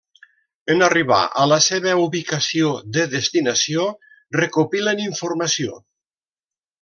En arribar a la seva ubicació de destinació, recopilen informació.